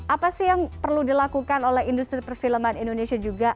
apa sih yang perlu dilakukan oleh industri perfilman indonesia juga